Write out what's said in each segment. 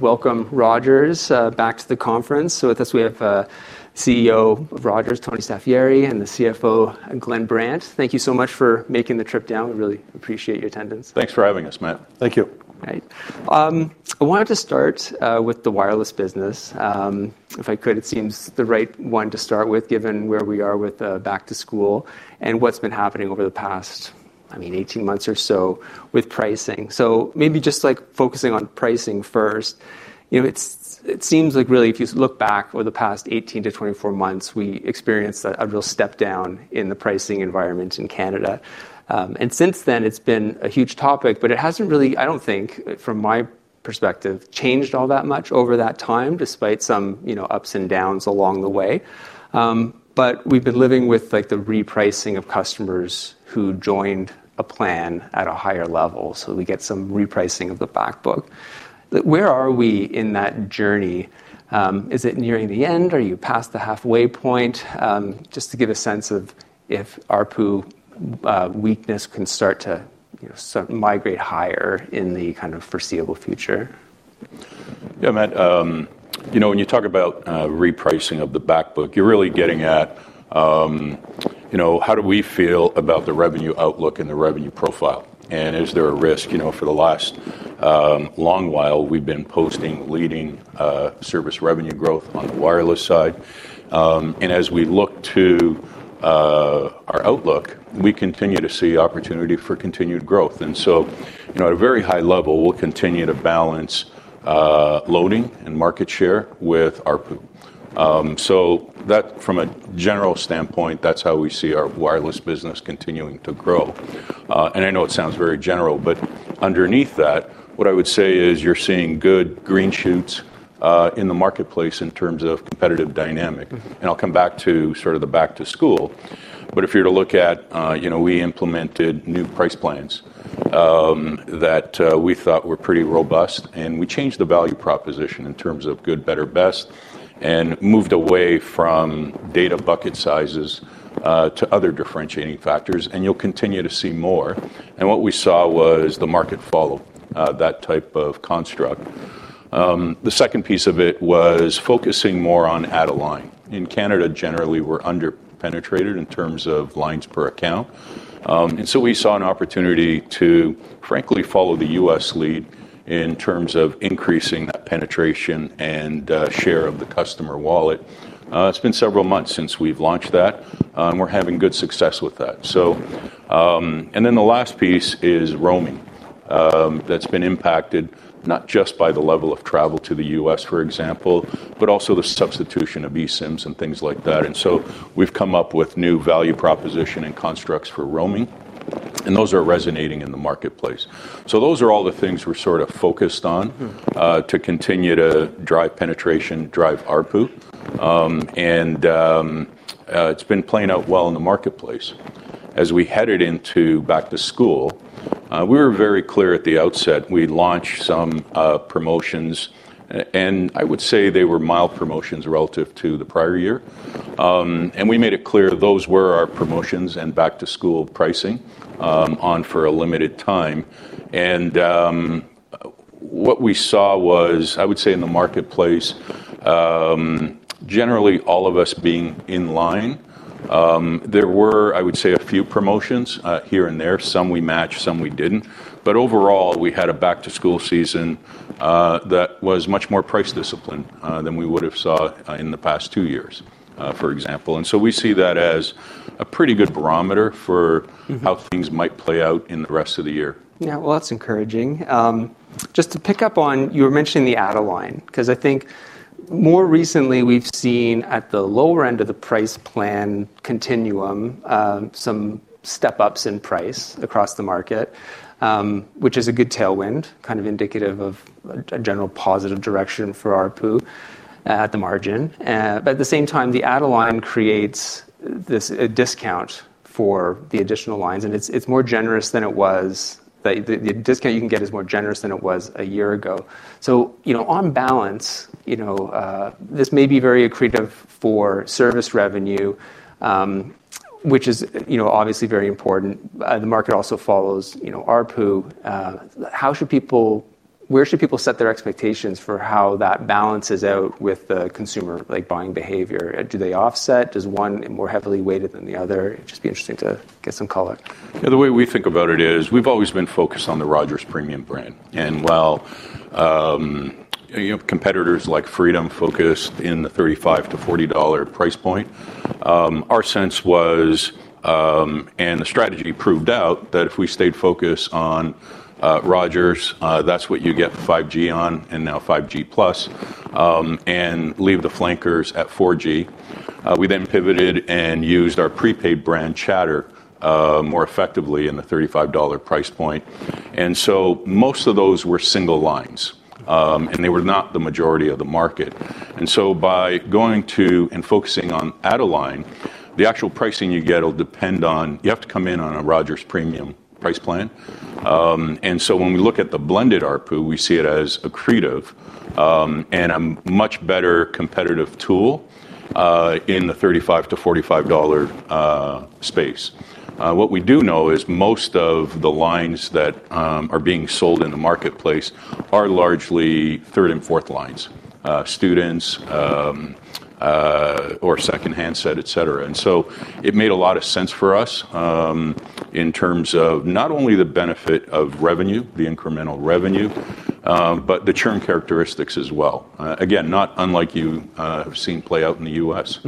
Welcome, Rogers, back to the conference. So, with us, we have CEO of Rogers, Tony Staffieri, and the CFO, Glenn Brandt. Thank you so much for making the trip down. We really appreciate your attendance. Thanks for having us, Matt. Thank you. All right. I wanted to start with the wireless business. If I could, it seems the right one to start with, given where we are with back to school and what's been happening over the past, I mean, 18 months or so with pricing. So maybe just focusing on pricing first. It seems like, really, if you look back over the past 18 to 24 months, we experienced a real step down in the pricing environment in Canada. And since then, it's been a huge topic, but it hasn't really, I don't think, from my perspective, changed all that much over that time, despite some ups and downs along the way. But we've been living with the repricing of customers who joined a plan at a higher level, so we get some repricing of the backbook. Where are we in that journey? Is it nearing the end? Are you past the halfway point? Just to get a sense of if ARPU weakness can start to migrate higher in the kind of foreseeable future. Yeah, Matt. When you talk about repricing of the backbook, you're really getting at how do we feel about the revenue outlook and the revenue profile? And is there a risk? For the last long while, we've been posting leading service revenue growth on the wireless side. And as we look to our outlook, we continue to see opportunity for continued growth. And so at a very high level, we'll continue to balance loading and market share with ARPU. So from a general standpoint, that's how we see our wireless business continuing to grow. And I know it sounds very general, but underneath that, what I would say is you're seeing good green shoots in the marketplace in terms of competitive dynamic. And I'll come back to sort of the back to school. But if you're to look at, we implemented new price plans that we thought were pretty robust. And we changed the value proposition in terms of good, better, best, and moved away from data bucket sizes to other differentiating factors. And you'll continue to see more. And what we saw was the market followed that type of construct. The second piece of it was focusing more on add-a-line. In Canada, generally, we're under-penetrated in terms of lines per account. And so we saw an opportunity to, frankly, follow the U.S. lead in terms of increasing that penetration and share of the customer wallet. It's been several months since we've launched that, and we're having good success with that. And then the last piece is roaming. That's been impacted not just by the level of travel to the U.S., for example, but also the substitution of eSIMs and things like that. And so we've come up with new value proposition and constructs for roaming. Those are resonating in the marketplace. Those are all the things we're sort of focused on to continue to drive penetration, drive ARPU. It's been playing out well in the marketplace. As we headed into back to school, we were very clear at the outset. We launched some promotions. I would say they were mild promotions relative to the prior year. We made it clear those were our promotions and back-to-school pricing on for a limited time. What we saw was, I would say, in the marketplace, generally, all of us being in line. There were, I would say, a few promotions here and there. Some we matched, some we didn't. Overall, we had a back-to-school season that was much more price discipline than we would have saw in the past two years, for example. And so we see that as a pretty good barometer for how things might play out in the rest of the year. Yeah, well, that's encouraging. Just to pick up on, you were mentioning the add-a-line, because I think more recently we've seen at the lower end of the price plan continuum some step-ups in price across the market, which is a good tailwind, kind of indicative of a general positive direction for ARPU at the margin. But at the same time, the add-a-line creates a discount for the additional lines. And it's more generous than it was. The discount you can get is more generous than it was a year ago. So on balance, this may be very accretive for service revenue, which is obviously very important. The market also follows ARPU. Where should people set their expectations for how that balances out with the consumer buying behavior? Do they offset? Does one more heavily weight it than the other? It'd just be interesting to get some color. Yeah, the way we think about it is we've always been focused on the Rogers premium brand. And while competitors like Freedom focused in the 35-40 dollar price point, our sense was, and the strategy proved out, that if we stayed focused on Rogers, that's what you get 5G on and now 5G Plus, and leave the flankers at 4G. We then pivoted and used our prepaid brand Chatr more effectively in the 35 dollar price point. And so most of those were single lines, and they were not the majority of the market. And so by going to and focusing on add-a-line, the actual pricing you get will depend on you have to come in on a Rogers premium price plan. And so when we look at the blended ARPU, we see it as accretive and a much better competitive tool in the 35-45 dollar space. What we do know is most of the lines that are being sold in the marketplace are largely third and fourth lines, students, or second-hand set, et cetera. And so it made a lot of sense for us in terms of not only the benefit of revenue, the incremental revenue, but the churn characteristics as well. Again, not unlike you have seen play out in the U.S.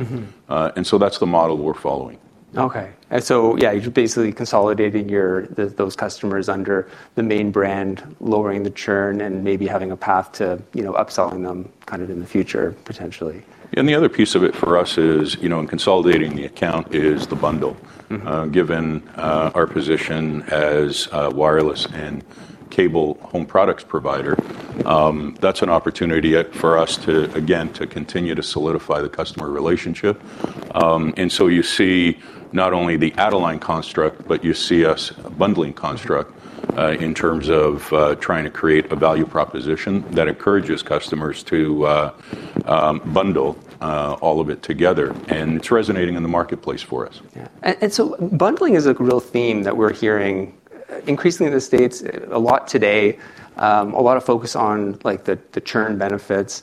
And so that's the model we're following. OK. And so, yeah, you're basically consolidating those customers under the main brand, lowering the churn, and maybe having a path to upselling them kind of in the future, potentially. Yeah, and the other piece of it for us is, in consolidating the account, is the bundle. Given our position as a wireless and cable home products provider, that's an opportunity for us, again, to continue to solidify the customer relationship. And so you see not only the add-a-line construct, but you see us bundling construct in terms of trying to create a value proposition that encourages customers to bundle all of it together. And it's resonating in the marketplace for us. Yeah. And so bundling is a real theme that we're hearing increasingly in the States a lot today, a lot of focus on the churn benefits.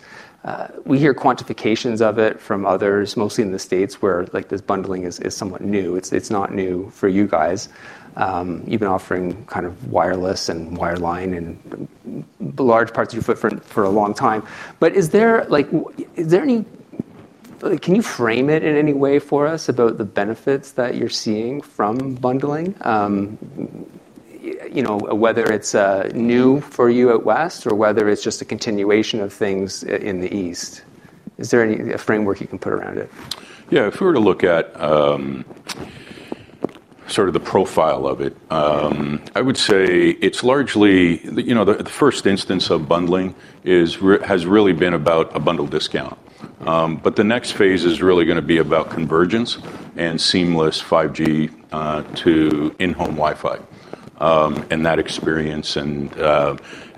We hear quantifications of it from others, mostly in the States, where this bundling is somewhat new. It's not new for you guys. You've been offering kind of wireless and wireline in large parts of your footprint for a long time. But is there any can you frame it in any way for us about the benefits that you're seeing from bundling? Whether it's new for you at West or whether it's just a continuation of things in the East. Is there any framework you can put around it? Yeah, if we were to look at sort of the profile of it, I would say it's largely the first instance of bundling has really been about a bundle discount. But the next phase is really going to be about convergence and seamless 5G to in-home Wi-Fi and that experience. And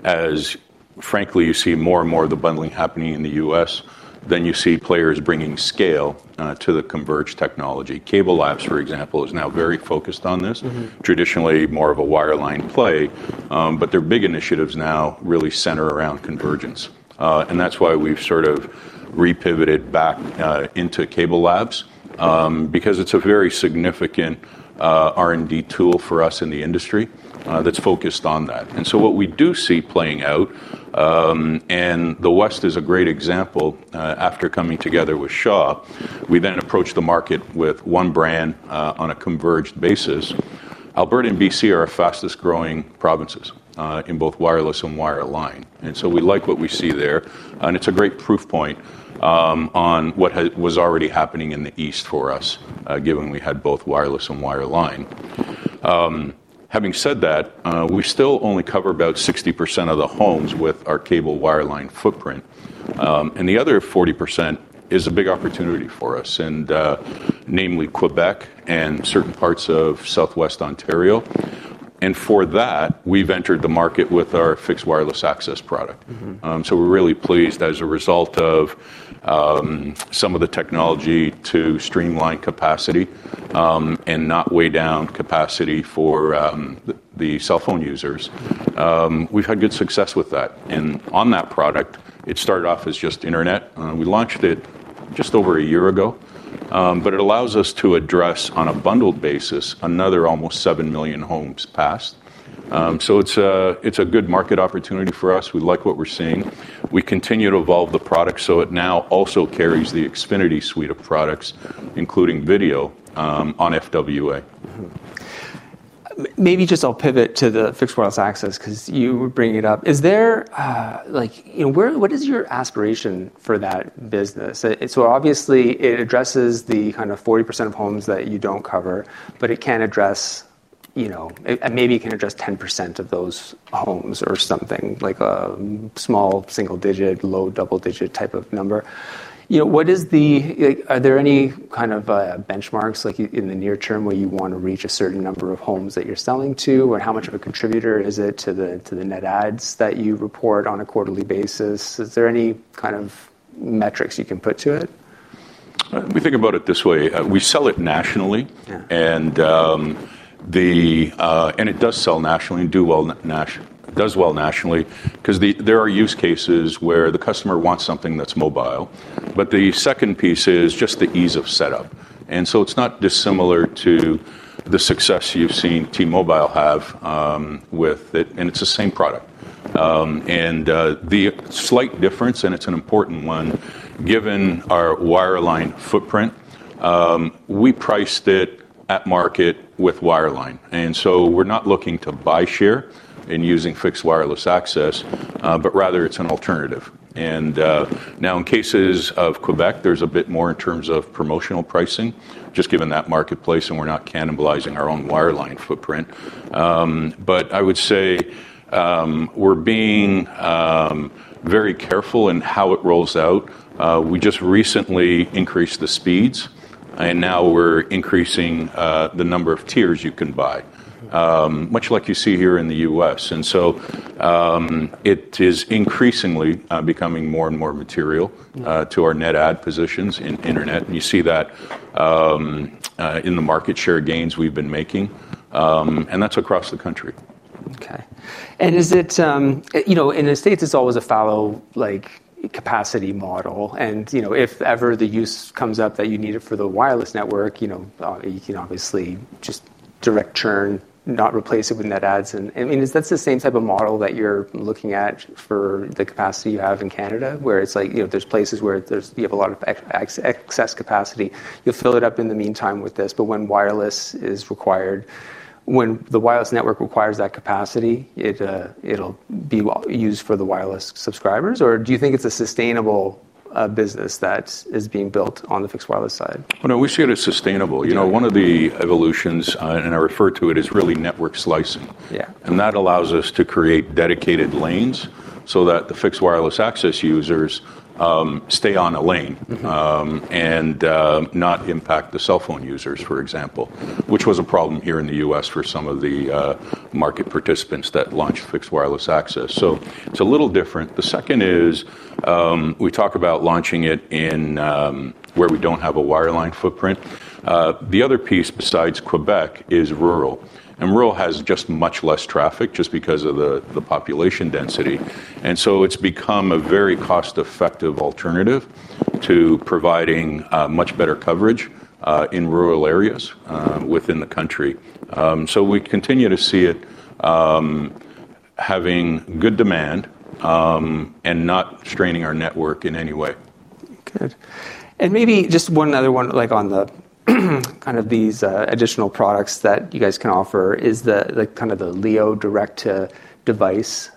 as, frankly, you see more and more of the bundling happening in the U.S., then you see players bringing scale to the converged technology. CableLabs, for example, is now very focused on this, traditionally more of a wireline play. But their big initiatives now really center around convergence. And that's why we've sort of repivoted back into CableLabs, because it's a very significant R&D tool for us in the industry that's focused on that. What we do see playing out, and the West is a great example after coming together with Shaw. We then approached the market with one brand on a converged basis. Alberta and BC are our fastest growing provinces in both wireless and wireline. We like what we see there. It's a great proof point on what was already happening in the East for us, given we had both wireless and wireline. Having said that, we still only cover about 60% of the homes with our cable wireline footprint. The other 40% is a big opportunity for us, namely Quebec and certain parts of Southwestern Ontario. For that, we've entered the market with our fixed wireless access product. We're really pleased as a result of some of the technology to streamline capacity and not weigh down capacity for the cell phone users. We've had good success with that. And on that product, it started off as just internet. We launched it just over a year ago. But it allows us to address, on a bundled basis, another almost seven million homes past. So it's a good market opportunity for us. We like what we're seeing. We continue to evolve the product so it now also carries the Xfinity suite of products, including video on FWA. Maybe just I'll pivot to the fixed wireless access, because you were bringing it up. What is your aspiration for that business? So obviously, it addresses the kind of 40% of homes that you don't cover, but it can address, maybe it can address 10% of those homes or something, like a small single-digit, low double-digit type of number. Are there any kind of benchmarks in the near term where you want to reach a certain number of homes that you're selling to? Or how much of a contributor is it to the net adds that you report on a quarterly basis? Is there any kind of metrics you can put to it? We think about it this way. We sell it nationally, and it does sell nationally and does well nationally, because there are use cases where the customer wants something that's mobile, but the second piece is just the ease of setup, and so it's not dissimilar to the success you've seen T-Mobile have with it, and it's the same product, and the slight difference, and it's an important one, given our wireline footprint. We priced it at market with wireline, and so we're not looking to buy share in using fixed wireless access, but rather it's an alternative, and now in cases of Quebec, there's a bit more in terms of promotional pricing, just given that marketplace, and we're not cannibalizing our own wireline footprint. But I would say we're being very careful in how it rolls out. We just recently increased the speeds. Now we're increasing the number of tiers you can buy, much like you see here in the U.S. So it is increasingly becoming more and more material to our net add positions in internet. That's across the country. OK. And in the States, it's always a fallow capacity model. And if ever the use comes up that you need it for the wireless network, you can obviously just direct churn, not replace it with net adds. I mean, is that the same type of model that you're looking at for the capacity you have in Canada, where it's like there's places where you have a lot of excess capacity? You'll fill it up in the meantime with this. But when wireless is required, when the wireless network requires that capacity, it'll be used for the wireless subscribers? Or do you think it's a sustainable business that is being built on the fixed wireless side? No, we see it as sustainable. One of the evolutions, and I refer to it as really network slicing. And that allows us to create dedicated lanes so that the fixed wireless access users stay on a lane and not impact the cell phone users, for example, which was a problem here in the U.S. for some of the market participants that launched fixed wireless access. So it's a little different. The second is we talk about launching it where we don't have a wireline footprint. The other piece besides Quebec is rural. And rural has just much less traffic just because of the population density. And so it's become a very cost-effective alternative to providing much better coverage in rural areas within the country. So we continue to see it having good demand and not straining our network in any way. Good. And maybe just one other one, like on kind of these additional products that you guys can offer is kind of the Lynk direct-to-device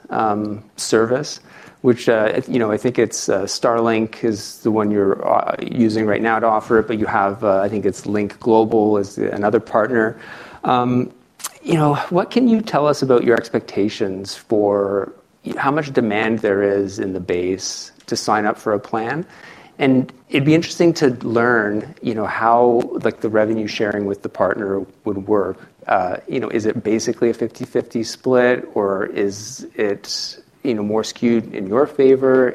service, which I think Starlink is the one you're using right now to offer it. But you have, I think it's Lynk Global is another partner. What can you tell us about your expectations for how much demand there is in the base to sign up for a plan? And it'd be interesting to learn how the revenue sharing with the partner would work. Is it basically a 50/50 split, or is it more skewed in your favor?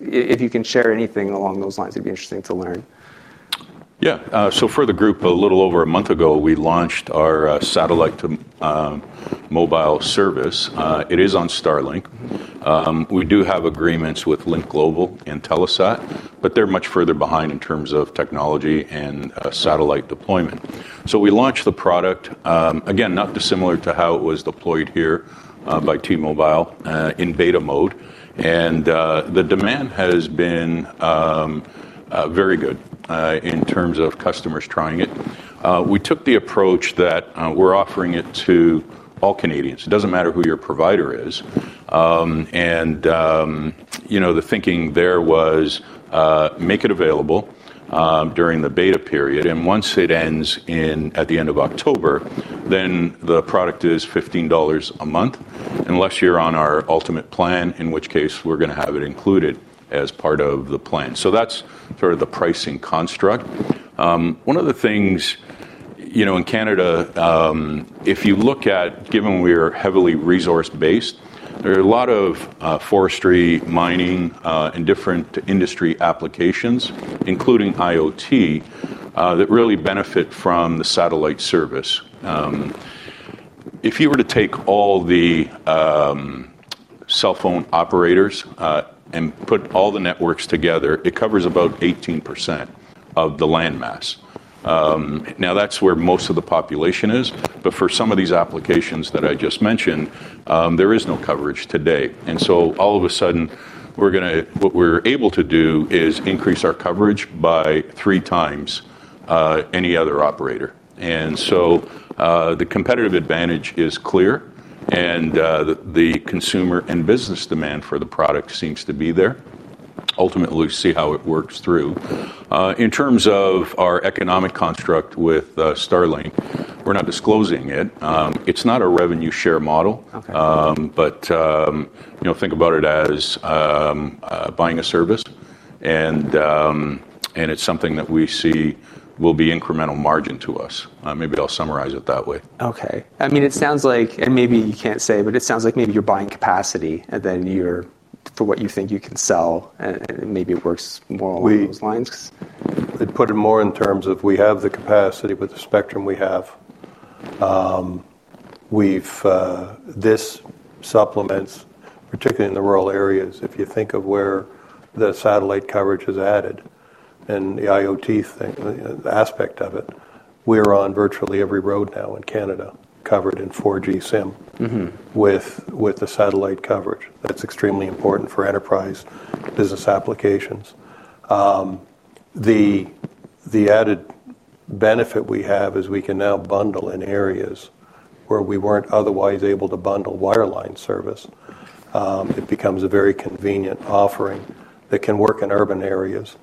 If you can share anything along those lines, it'd be interesting to learn. Yeah. So for the group, a little over a month ago, we launched our satellite mobile service. It is on Starlink. We do have agreements with Lynk Global and Telesat, but they're much further behind in terms of technology and satellite deployment. So we launched the product, again, not dissimilar to how it was deployed here by T-Mobile in beta mode. And the demand has been very good in terms of customers trying it. We took the approach that we're offering it to all Canadians. It doesn't matter who your provider is. And the thinking there was make it available during the beta period. And once it ends at the end of October, then the product is 15 dollars a month unless you're on our ultimate plan, in which case we're going to have it included as part of the plan. So that's sort of the pricing construct. One of the things in Canada, if you look at, given we are heavily resource-based, there are a lot of forestry, mining, and different industry applications, including IoT, that really benefit from the satellite service. If you were to take all the cell phone operators and put all the networks together, it covers about 18% of the landmass. Now, that's where most of the population is. But for some of these applications that I just mentioned, there is no coverage today. And so all of a sudden, what we're able to do is increase our coverage by three times any other operator. And so the competitive advantage is clear. And the consumer and business demand for the product seems to be there. Ultimately, we see how it works through. In terms of our economic construct with Starlink, we're not disclosing it. It's not a revenue share model. Think about it as buying a service. It's something that we see will be incremental margin to us. Maybe I'll summarize it that way. OK. I mean, it sounds like, and maybe you can't say, but it sounds like maybe you're buying capacity for what you think you can sell. And maybe it works more along those lines. We put it more in terms of we have the capacity with the spectrum we have. This supplements, particularly in the rural areas. If you think of where the satellite coverage is added and the IoT aspect of it, we're on virtually every road now in Canada covered with 4G signal with the satellite coverage. That's extremely important for enterprise business applications. The added benefit we have is we can now bundle in areas where we weren't otherwise able to bundle wireline service. It becomes a very convenient offering that can work in urban areas.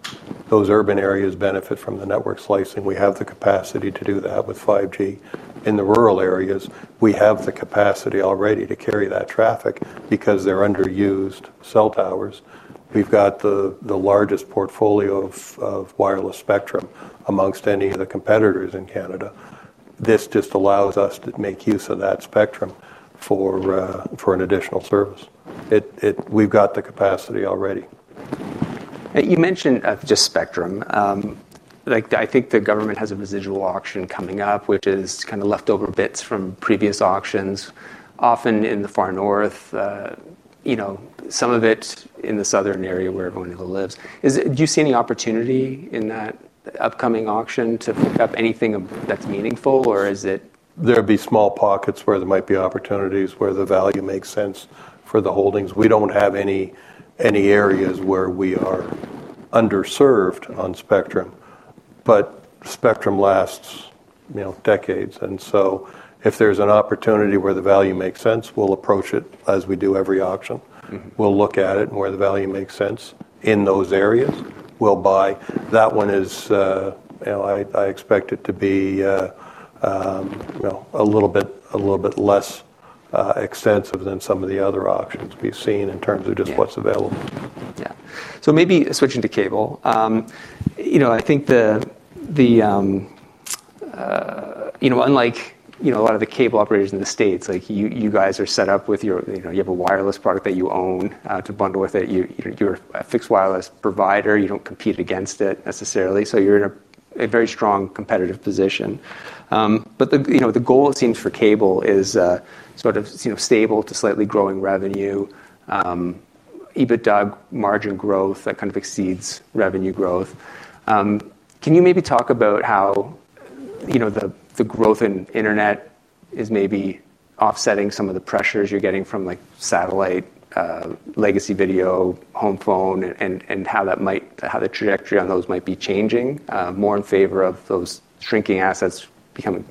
Those urban areas benefit from the network slicing. We have the capacity to do that with 5G. In the rural areas, we have the capacity already to carry that traffic because they're underused cell towers. We've got the largest portfolio of wireless spectrum amongst any of the competitors in Canada. This just allows us to make use of that spectrum for an additional service. We've got the capacity already. You mentioned just spectrum. I think the government has a residual auction coming up, which is kind of leftover bits from previous auctions, often in the far north, some of it in the southern area where everyone lives. Do you see any opportunity in that upcoming auction to pick up anything that's meaningful? Or is it? There will be small pockets where there might be opportunities where the value makes sense for the holdings. We don't have any areas where we are underserved on spectrum. But spectrum lasts decades. And so if there's an opportunity where the value makes sense, we'll approach it as we do every auction. We'll look at it where the value makes sense in those areas. We'll buy. That one is, I expect it to be a little bit less extensive than some of the other auctions we've seen in terms of just what's available. Yeah. So maybe switching to cable, I think unlike a lot of the cable operators in the States, you guys are set up with your, you have a wireless product that you own to bundle with it. You're a fixed wireless provider. You don't compete against it necessarily. So you're in a very strong competitive position. But the goal, it seems, for cable is sort of stable to slightly growing revenue, even margin growth that kind of exceeds revenue growth. Can you maybe talk about how the growth in internet is maybe offsetting some of the pressures you're getting from satellite, legacy video, home phone, and how the trajectory on those might be changing more in favor of those shrinking assets becoming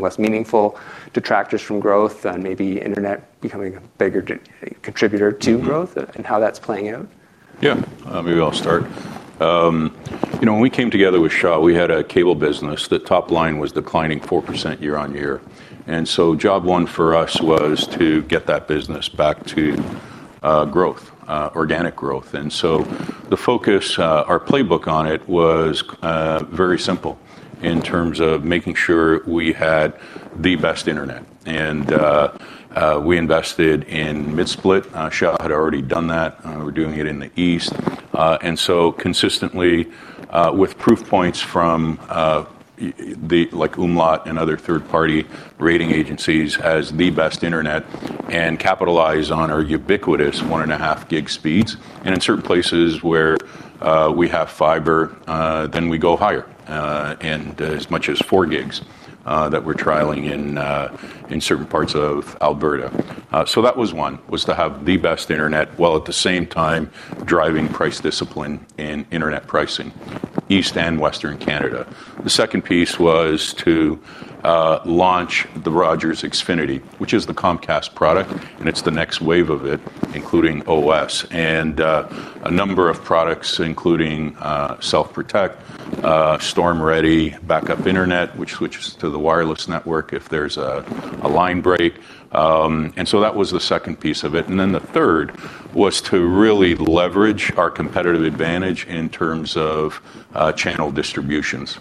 less meaningful, detractors from growth, and maybe internet becoming a bigger contributor to growth and how that's playing out? Yeah. Maybe I'll start. When we came together with Shaw, we had a cable business. The top line was declining 4% year on year. Job one for us was to get that business back to growth, organic growth. The focus, our playbook on it was very simple in terms of making sure we had the best internet. We invested in mid-split. Shaw had already done that. We're doing it in the East. Consistently with proof points from like umlaut and other third-party rating agencies as the best internet and capitalize on our ubiquitous one and one-half gig speeds. In certain places where we have fiber, then we go higher and as much as four gigs that we're trialing in certain parts of Alberta. That was one, to have the best internet while at the same time driving price discipline in internet pricing in East and Western Canada. The second piece was to launch the Rogers Xfinity, which is the Comcast product. It's the next wave of it, including OS and a number of products, including Self Protect, Storm Ready, Backup Internet, which switches to the wireless network if there's a line break. That was the second piece of it. Then the third was to really leverage our competitive advantage in terms of channel distributions.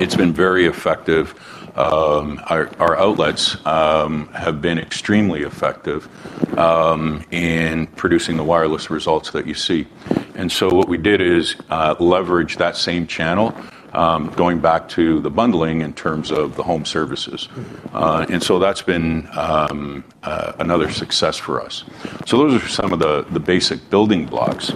It's been very effective. Our outlets have been extremely effective in producing the wireless results that you see. What we did is leverage that same channel going back to the bundling in terms of the home services. That's been another success for us. So those are some of the basic building blocks.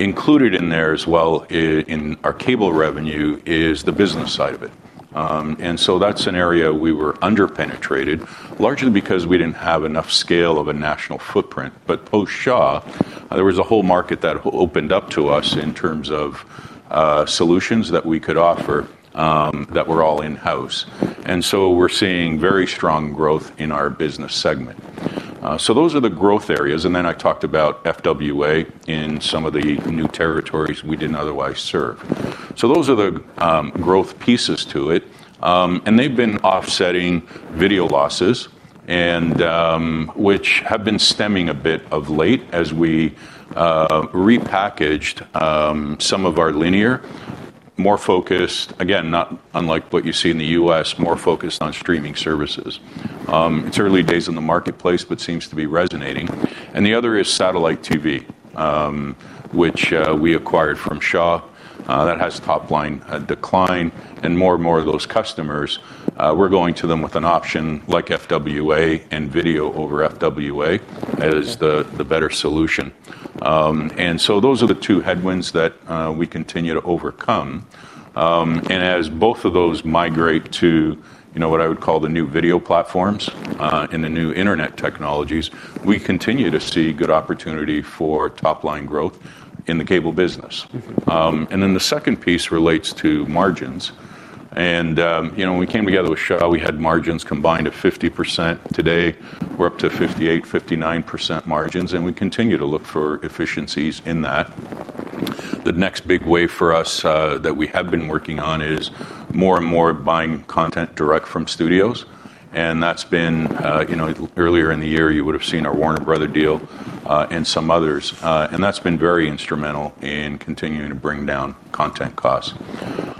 Included in there as well in our cable revenue is the business side of it. And so that's an area we were under-penetrated, largely because we didn't have enough scale of a national footprint. But post-Shaw, there was a whole market that opened up to us in terms of solutions that we could offer that were all in-house. And so we're seeing very strong growth in our business segment. So those are the growth areas. And then I talked about FWA in some of the new territories we didn't otherwise serve. So those are the growth pieces to it. And they've been offsetting video losses, which have been stemming a bit of late as we repackaged some of our linear, more focused, again, not unlike what you see in the U.S., more focused on streaming services. It's early days in the marketplace, but seems to be resonating. And the other is satellite TV, which we acquired from Shaw. That has top line decline. And more and more of those customers, we're going to them with an option like FWA and video over FWA as the better solution. And so those are the two headwinds that we continue to overcome. And as both of those migrate to what I would call the new video platforms and the new internet technologies, we continue to see good opportunity for top line growth in the cable business. And then the second piece relates to margins. And when we came together with Shaw, we had margins combined of 50%. Today, we're up to 58%, 59% margins. And we continue to look for efficiencies in that. The next big wave for us that we have been working on is more and more buying content direct from studios. And that's been earlier in the year, you would have seen our Warner Bros. deal and some others. And that's been very instrumental in continuing to bring down content costs.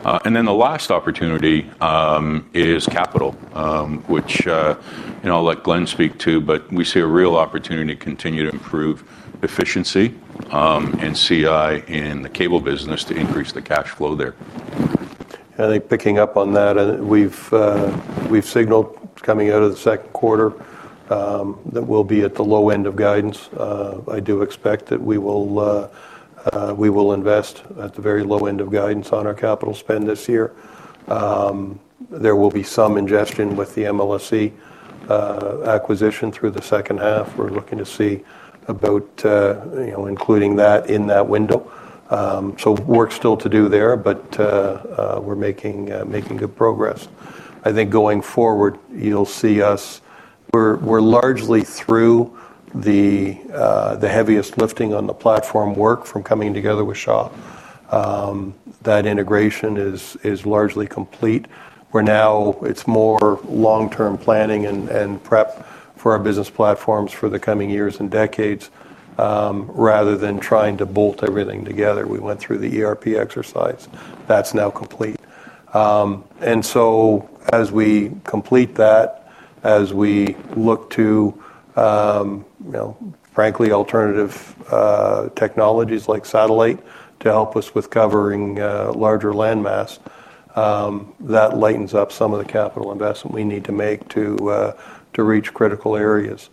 And then the last opportunity is capital, which I'll let Glenn speak to. But we see a real opportunity to continue to improve efficiency and CI in the cable business to increase the cash flow there. I think picking up on that, we've signaled coming out of the second quarter that we'll be at the low end of guidance. I do expect that we will invest at the very low end of guidance on our capital spend this year. There will be some integration with the MLSE acquisition through the second half. We're looking to see about including that in that window. So work still to do there. But we're making good progress. I think going forward, you'll see us. We're largely through the heaviest lifting on the platform work from coming together with Shaw. That integration is largely complete. Now, it's more long-term planning and prep for our business platforms for the coming years and decades rather than trying to bolt everything together. We went through the ERP exercise. That's now complete. And so as we complete that, as we look to, frankly, alternative technologies like satellite to help us with covering larger landmass, that lightens up some of the capital investment we need to make to reach critical areas,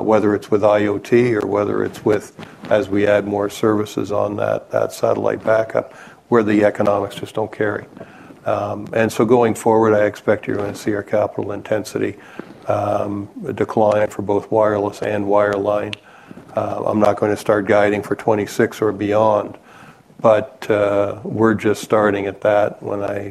whether it's with IoT or whether it's with, as we add more services on that satellite backup, where the economics just don't carry. And so going forward, I expect you're going to see our capital intensity decline for both wireless and wireline. I'm not going to start guiding for 2026 or beyond. But we're just starting at that when I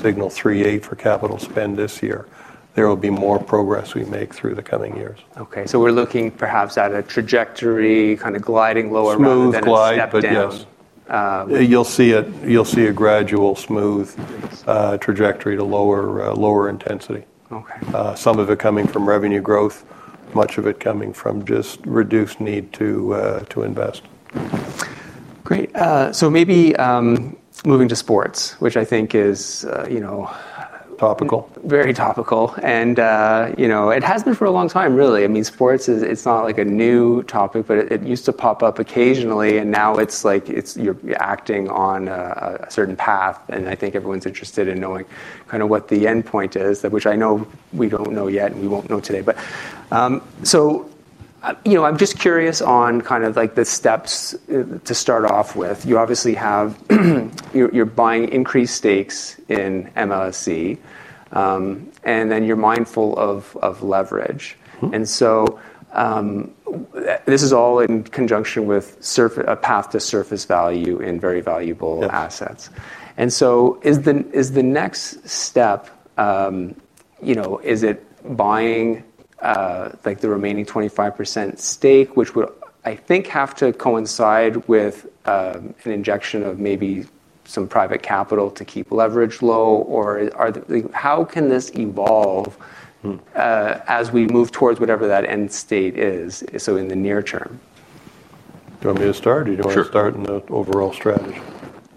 signal 38% for capital spend this year. There will be more progress we make through the coming years. OK. So we're looking perhaps at a trajectory kind of gliding lower margins. Smooth glide, yes. You'll see a gradual smooth trajectory to lower intensity. Some of it coming from revenue growth, much of it coming from just reduced need to invest. Great. So maybe moving to sports, which I think is. Topical. Very topical and it has been for a long time, really. I mean, sports, it's not like a new topic but it used to pop up occasionally and now it's like you're acting on a certain path. I think everyone's interested in knowing kind of what the endpoint is, which I know we don't know yet and we won't know today so I'm just curious on kind of the steps to start off with. You obviously have, you're buying increased stakes in MLSE and then you're mindful of leverage and so this is all in conjunction with a path to surface value in very valuable assets and so is the next step, is it buying the remaining 25% stake, which would, I think, have to coincide with an injection of maybe some private capital to keep leverage low? Or how can this evolve as we move towards whatever that end state is, so in the near term? Do you want me to start? Or do you want me to start in the overall strategy?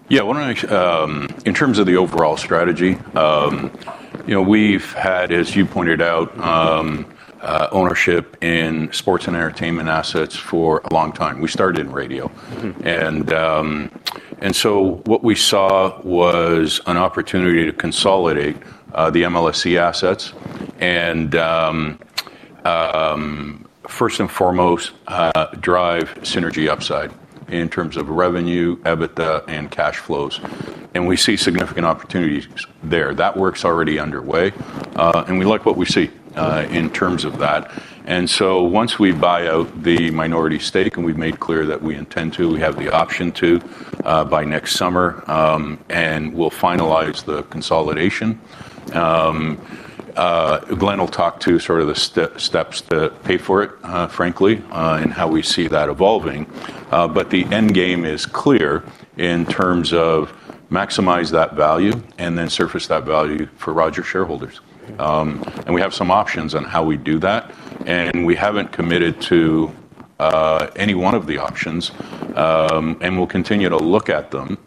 Yeah. In terms of the overall strategy, we've had, as you pointed out, ownership in sports and entertainment assets for a long time. We started in radio. And so what we saw was an opportunity to consolidate the MLSE assets and, first and foremost, drive synergy upside in terms of revenue, EBITDA, and cash flows. And we see significant opportunities there. That work's already underway. And we like what we see in terms of that. And so once we buy out the minority stake, and we've made clear that we intend to, we have the option to buy next summer, and we'll finalize the consolidation. Glenn will talk to sort of the steps. To pay for it, frankly, and how we see that evolving. But the end game is clear in terms of maximize that value and then surface that value for Rogers shareholders. We have some options on how we do that. We haven't committed to any one of the options. We'll continue to look at them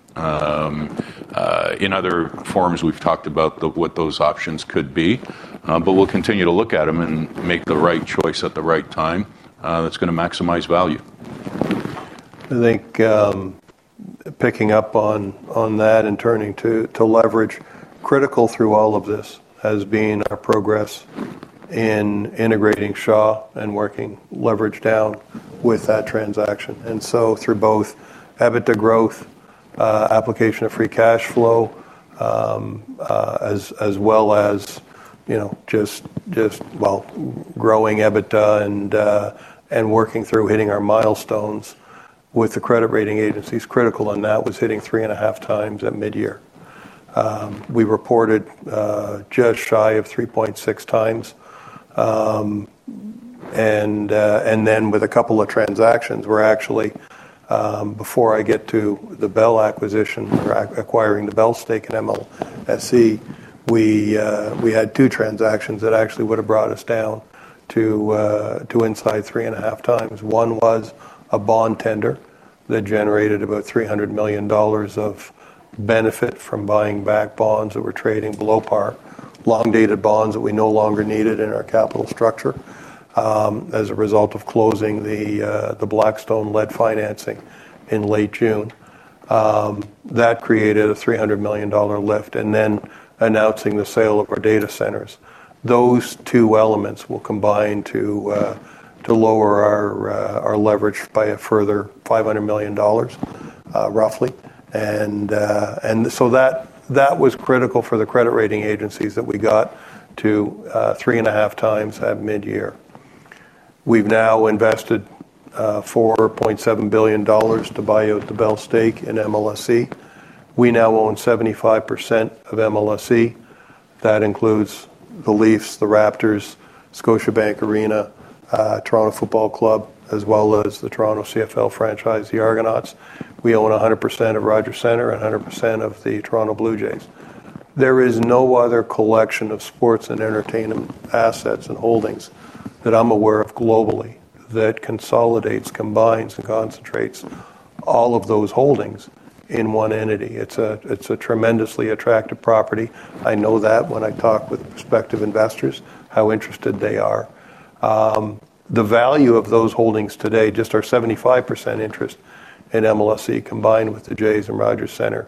in other forms. We've talked about what those options could be. We'll continue to look at them and make the right choice at the right time that's going to maximize value. I think picking up on that and turning to leverage, critical through all of this has been our progress in integrating Shaw and working leverage down with that transaction, and so through both EBITDA growth, application of free cash flow, as well as just, well, growing EBITDA and working through hitting our milestones with the credit rating agencies, critical on that was hitting 3.5 times at mid-year. We reported just shy of 3.6 times, and then with a couple of transactions, we're actually, before I get to the Bell acquisition or acquiring the Bell stake in MLSE, we had two transactions that actually would have brought us down to inside 3.5 times. One was a bond tender that generated about 300 million dollars of benefit from buying back bonds that were trading below par, long-dated bonds that we no longer needed in our capital structure as a result of closing the Blackstone-led financing in late June. That created a 300 million dollar lift and then announcing the sale of our data centers. Those two elements will combine to lower our leverage by a further 500 million dollars, roughly. And so that was critical for the credit rating agencies that we got to 3.5 times at mid-year. We've now invested 4.7 billion dollars to buy out the Bell stake in MLSE. We now own 75% of MLSE. That includes the Leafs, the Raptors, Scotiabank Arena, Toronto Football Club, as well as the Toronto CFL franchise, the Argonauts. We own 100% of Rogers Centre and 100% of the Toronto Blue Jays. There is no other collection of sports and entertainment assets and holdings that I'm aware of globally that consolidates, combines, and concentrates all of those holdings in one entity. It's a tremendously attractive property. I know that when I talk with prospective investors how interested they are. The value of those holdings today, just our 75% interest in MLSE combined with the Jays and Rogers Centre,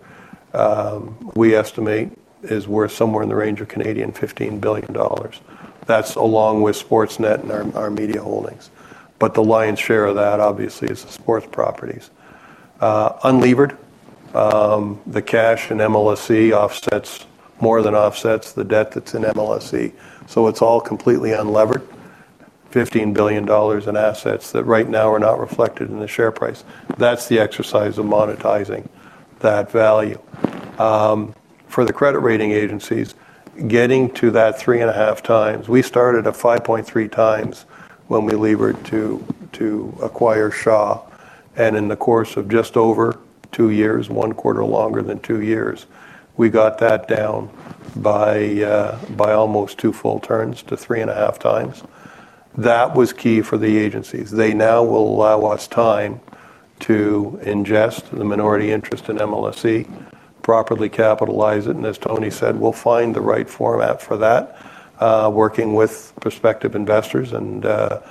we estimate is worth somewhere in the range of 15 billion Canadian dollars. That's along with Sportsnet and our media holdings. But the lion's share of that, obviously, is the sports properties. Unlevered, the cash in MLSE offsets more than offsets the debt that's in MLSE. So it's all completely unlevered, 15 billion dollars in assets that right now are not reflected in the share price. That's the exercise of monetizing that value. For the credit rating agencies, getting to that 3.5 times, we started at 5.3 times when we levered to acquire Shaw, and in the course of just over two years, one quarter longer than two years, we got that down by almost two full turns to 3.5 times. That was key for the agencies. They now will allow us time to ingest the minority interest in MLSE, properly capitalize it, and as Tony said, we'll find the right format for that, working with prospective investors, and that'll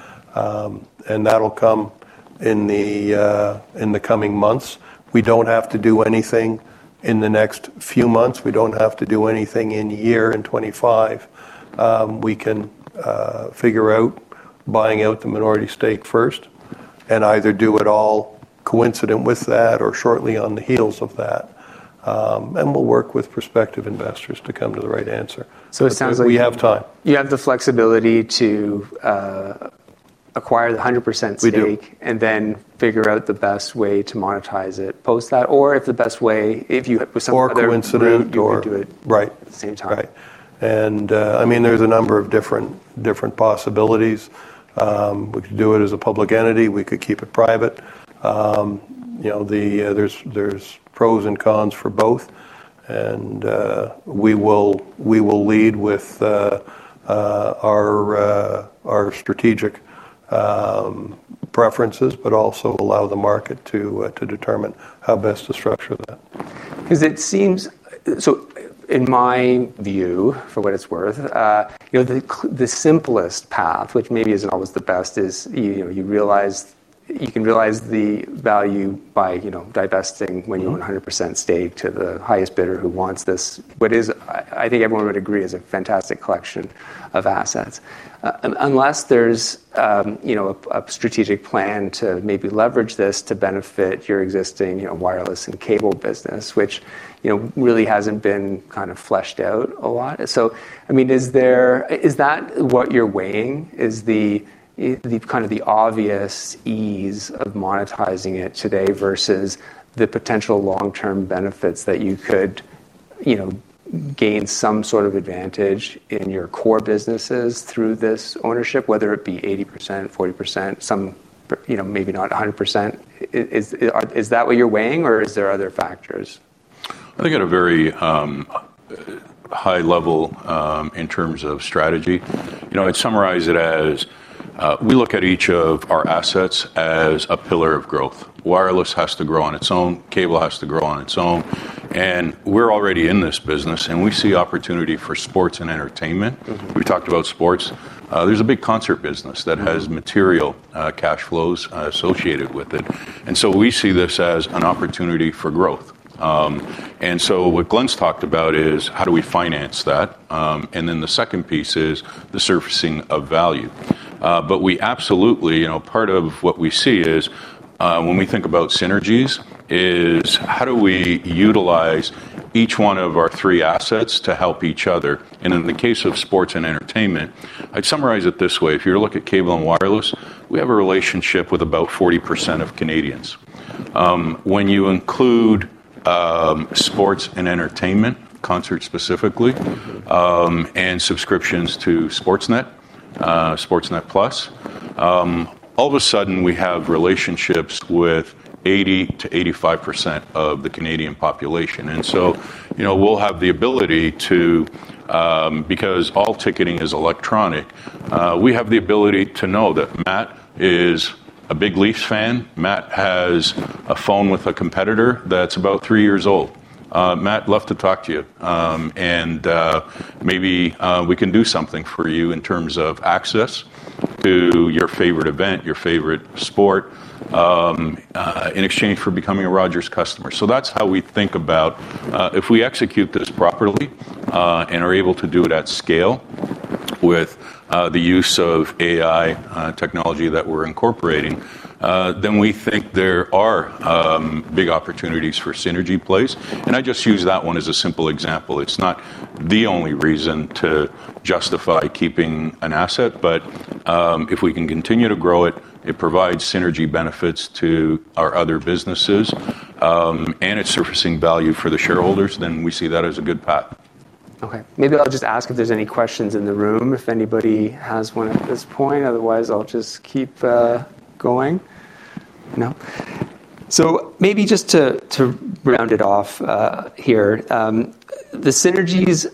come in the coming months. We don't have to do anything in the next few months. We don't have to do anything in year in 2025. We can figure out buying out the minority stake first and either do it all coincident with that or shortly on the heels of that. We'll work with prospective investors to come to the right answer. So it sounds like. We have time. You have the flexibility to acquire the 100% stake and then figure out the best way to monetize it post that. Or if the best way, if you have some other route, you could do it at the same time. Right, and I mean, there's a number of different possibilities. We could do it as a public entity. We could keep it private. There's pros and cons for both, and we will lead with our strategic preferences, but also allow the market to determine how best to structure that. Because it seems, so in my view, for what it's worth, the simplest path, which maybe isn't always the best, is you realize you can realize the value by divesting when you own 100% stake to the highest bidder who wants this. What is, I think everyone would agree, is a fantastic collection of assets. Unless there's a strategic plan to maybe leverage this to benefit your existing wireless and cable business, which really hasn't been kind of fleshed out a lot. So I mean, is that what you're weighing is kind of the obvious ease of monetizing it today versus the potential long-term benefits that you could gain some sort of advantage in your core businesses through this ownership, whether it be 80%, 40%, maybe not 100%? Is that what you're weighing? Or is there other factors? I think at a very high level in terms of strategy, I'd summarize it as we look at each of our assets as a pillar of growth. Wireless has to grow on its own. Cable has to grow on its own. And we're already in this business. And we see opportunity for sports and entertainment. We talked about sports. There's a big concert business that has material cash flows associated with it. And so we see this as an opportunity for growth. And so what Glenn's talked about is how do we finance that? And then the second piece is the surfacing of value. But we absolutely, part of what we see is when we think about synergies, is how do we utilize each one of our three assets to help each other? And in the case of sports and entertainment, I'd summarize it this way. If you look at cable and wireless, we have a relationship with about 40% of Canadians. When you include sports and entertainment, concerts specifically, and subscriptions to Sportsnet, Sportsnet+, all of a sudden, we have relationships with 80%-85% of the Canadian population, so we'll have the ability to, because all ticketing is electronic, we have the ability to know that Matt is a big Leafs fan. Matt has a phone with a competitor that's about three years old. Matt, let's talk to you, and maybe we can do something for you in terms of access to your favorite event, your favorite sport, in exchange for becoming a Rogers customer. That's how we think about if we execute this properly and are able to do it at scale with the use of AI technology that we're incorporating, then we think there are big opportunities for synergy plays. And I just use that one as a simple example. It's not the only reason to justify keeping an asset. But if we can continue to grow it, it provides synergy benefits to our other businesses and it's surfacing value for the shareholders, then we see that as a good path. OK. Maybe I'll just ask if there's any questions in the room if anybody has one at this point. Otherwise, I'll just keep going. No. So maybe just to round it off here, the synergies,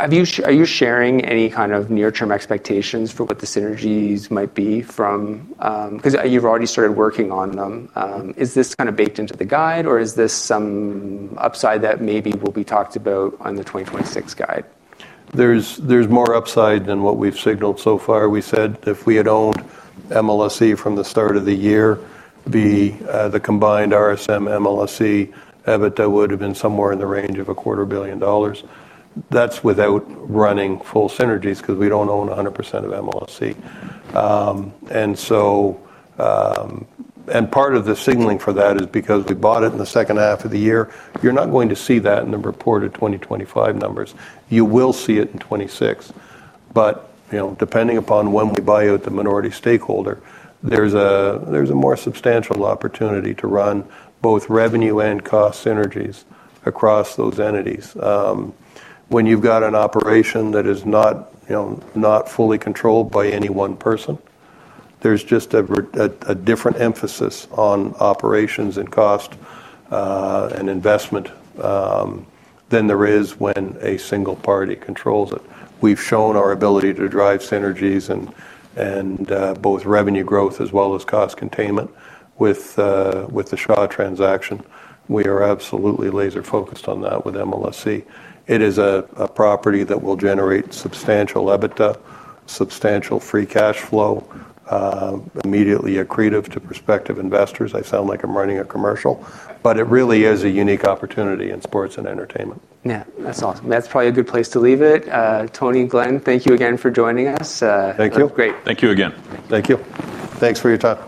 are you sharing any kind of near-term expectations for what the synergies might be from because you've already started working on them? Is this kind of baked into the guide? Or is this some upside that maybe will be talked about on the 2026 guide? There's more upside than what we've signaled so far. We said if we had owned MLSE from the start of the year, the combined RSM, MLSE, EBITDA would have been somewhere in the range of $250 million. That's without running full synergies because we don't own 100% of MLSE. And part of the signaling for that is because we bought it in the second half of the year. You're not going to see that in the reported 2025 numbers. You will see it in 2026. But depending upon when we buy out the minority stakeholder, there's a more substantial opportunity to run both revenue and cost synergies across those entities. When you've got an operation that is not fully controlled by any one person, there's just a different emphasis on operations and cost and investment than there is when a single party controls it. We've shown our ability to drive synergies in both revenue growth as well as cost containment with the Shaw transaction. We are absolutely laser-focused on that with MLSE. It is a property that will generate substantial EBITDA, substantial free cash flow, immediately accretive to prospective investors. I sound like I'm running a commercial. But it really is a unique opportunity in sports and entertainment. Yeah. That's awesome. That's probably a good place to leave it. Tony, Glenn, thank you again for joining us. Thank you. Great. Thank you again. Thank you. Thanks for your time.